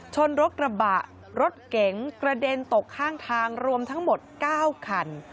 ชนรถกระบะรถเก๋งกระเด็นตกข้างทางรวมทั้งหมด๙คัน